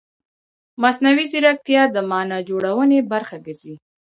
مصنوعي ځیرکتیا د معنا جوړونې برخه ګرځي.